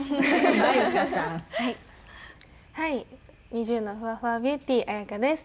ＮｉｚｉＵのふわふわビューティーＡＹＡＫＡです。